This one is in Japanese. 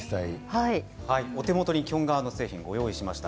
お手元にキョン革の製品をご用意しました。